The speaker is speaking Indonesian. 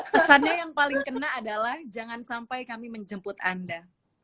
pesannya yang paling kena adalah jangan sampai kami menjemput anda